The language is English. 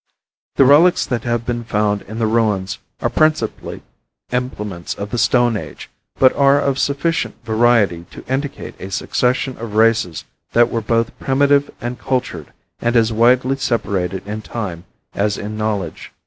The relics that have been found in the ruins are principally implements of the stone age, but are of sufficient variety to indicate a succession of races that were both primitive and cultured and as widely separated in time as in knowledge.